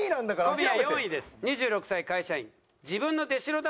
小宮は４位です。